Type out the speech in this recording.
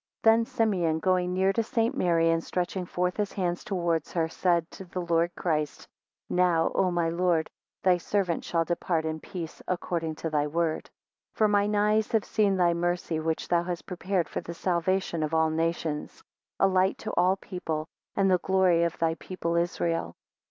8 Then Simeon going near to St. Mary, and stretching forth his hands towards her, said to the Lord Christ, Now, O My Lord, thy servant shall depart in peace, according to thy word; 9 For mine eyes have seen thy mercy, which thou hast prepared for the salvation of all nations; a light to all people, and the glory of thy people Israel.